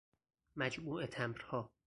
مجموعه تمبرها